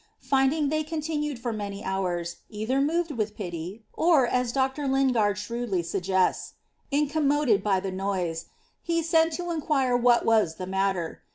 Finding they continued for many hovi) either moved with pity, or, as Dr. Lingard shrewdly suggests, ^ incoi^ moded by the noise," he sent to inquire what wss the matter.